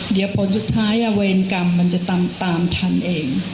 เดี๋ยวผลสุดท้ายเวรกรรมมันจะตามทันเอง